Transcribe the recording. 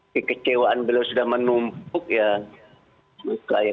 kekecewaan beliau sudah menumpuk ya